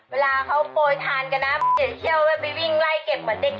เวลาเขาโปยทานใกล้เทียเอาไปวิ่งไล่เก็บเหมือนเด็กนะ